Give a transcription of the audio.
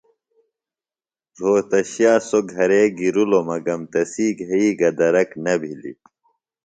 رھوتشِیہ سوۡ گھرے گِرِلوۡ مگم تسی گھئی گہ درک نہ بِھلیۡ۔